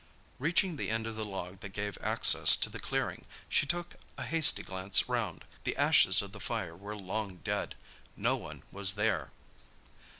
Reaching the end of the log that gave access to the clearing, she took a hasty glance round. The ashes of the fire were long dead. No one was there.